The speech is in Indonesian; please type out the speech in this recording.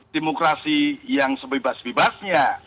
demokrasi yang sebebas bebasnya